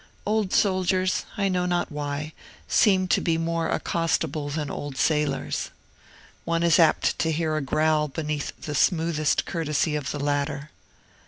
Old soldiers, I know not why, seem to be more accostable than old sailors. One is apt to hear a growl beneath the smoothest courtesy of the latter.